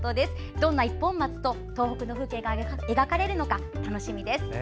どんな一本松と東北の風景が描かれるのか楽しみです。